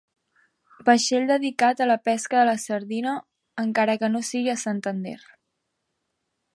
Vaixell dedicat a la pesca de la sardina, encara que no sigui a Santander.